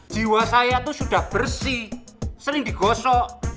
jiwa saya itu sudah bersih sering digosok